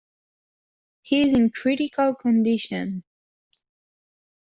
He's in critical condition.